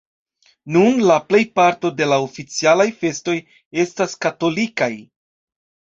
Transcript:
Nun la plejparto de la oficialaj festoj estas katolikaj.